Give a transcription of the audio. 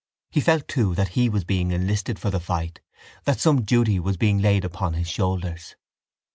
He felt, too, that he was being enlisted for the fight, that some duty was being laid upon his shoulders.